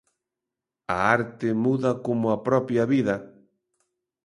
A arte muda como a propia vida.